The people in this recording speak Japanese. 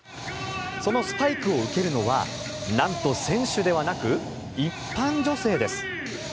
そのスパイクを受けるのはなんと選手ではなく一般女性です。